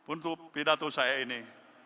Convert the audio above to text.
untuk pidato saya ini